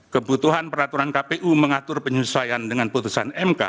kebutuhan peraturan kpu mengatur penyesuaian dengan putusan mk